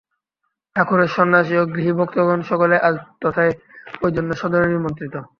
ঠাকুরের সন্ন্যাসী ও গৃহী ভক্তগণ সকলেই আজ তথায় ঐ জন্য সাদরে নিমন্ত্রিত।